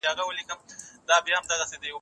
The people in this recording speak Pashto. ساینس د پخوانیو لیکنو په سپړلو کې مرسته کوي.